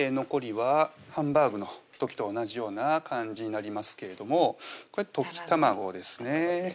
残りはハンバーグの時と同じような感じになりますけれどもこれ溶き卵ですね